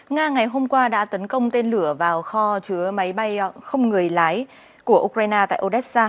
nga ngày hôm qua đã tấn công tên lửa vào kho chứa máy bay không người lái của ukraine tại odessa